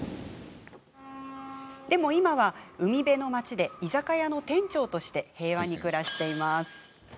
でも今は、海辺の町で居酒屋の店長として平和に暮らしています。